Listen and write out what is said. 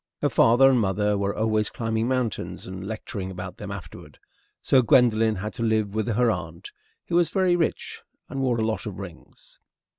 Her father and mother were always climbing mountains and lecturing about them afterward, so Gwendolen had to live with her aunt, who was very rich and wore a lot of rings.